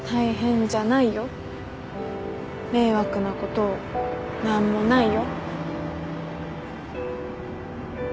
迷惑なこと何もないよ。